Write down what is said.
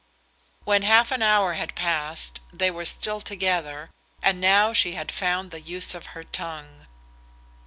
When half an hour had passed, they were still together, and now she had found the use of her tongue.